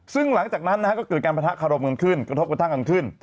ซึ่งหลังจากนั้นนะฮะก็เกิดการประทะคารมกันขึ้นกระทบกระทั่งกันขึ้น